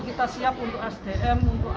kita siap untuk sdm untuk